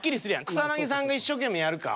草さんが一生懸命やるか。